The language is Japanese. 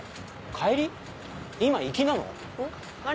今行きなの？